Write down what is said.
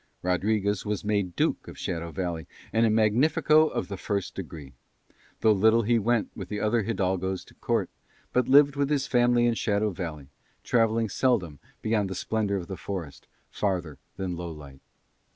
Rodriguez was made Duke of Shadow Valley and a Magnifico of the first degree; though little he went with other hidalgos to Court, but lived with his family in Shadow Valley, travelling seldom beyond the splendour of the forest farther than Lowlight.